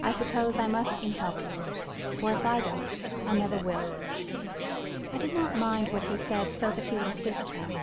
I suppose I must e'en help you, for if I don't, another will.' "I did not mind what he said, so that he would assist me.